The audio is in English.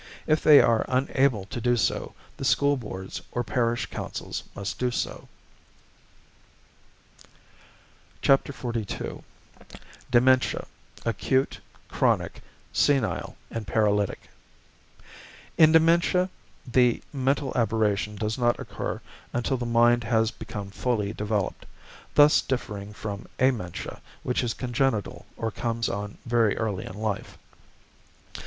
If they are unable to do so, the School Boards or Parish Councils must do so. XLII. DEMENTIA: ACUTE, CHRONIC, SENILE, AND PARALYTIC In dementia the mental aberration does not occur until the mind has become fully developed, thus differing from amentia, which is congenital or comes on very early in life.